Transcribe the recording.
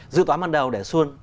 dư toán ban đầu để xuân